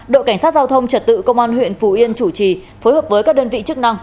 đội cảnh sát giao thông trật tự công an huyện phù yên chủ trì phối hợp với các đơn vị chức năng